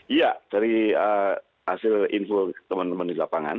iya dari hasil info teman teman di lapangan